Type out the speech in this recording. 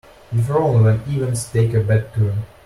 We frown when events take a bad turn.